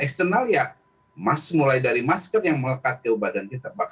eksternal ya mulai dari masker yang melekat ke badan kita